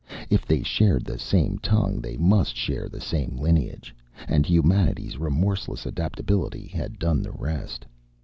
If they shared the same tongue they must share the same lineage. And humanity's remorseless adaptability had done the rest.